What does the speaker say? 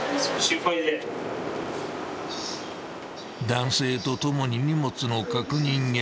［男性と共に荷物の確認へ］